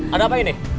ada apa ini